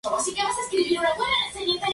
Ya puede empezar la función